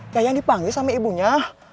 yayan dipanggil sama ibunya